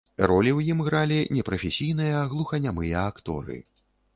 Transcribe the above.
Ролі ў ім гралі непрафесійныя глуханямыя акторы.